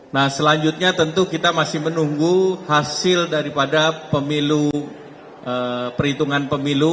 nah selanjutnya tentu kita masih menunggu hasil daripada pemilu perhitungan pemilu